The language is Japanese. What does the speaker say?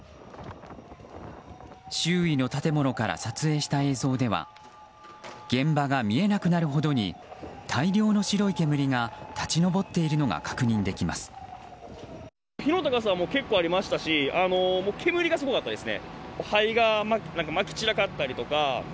周囲の建物から撮影した映像では現場が見えなくなるほどに大量の白い煙が立ち上っているのが確認できます。